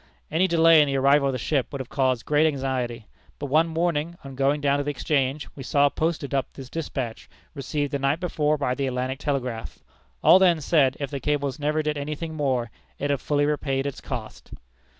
Any delay in the arrival of the ship would have caused great anxiety. But one morning, on going down to the Exchange, we saw posted up this despatch received the night before by the Atlantic Telegraph. All then said, if the cable never did any thing more, it had fully repaid its cost."